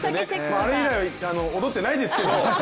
あれ以来、踊っていないですけど。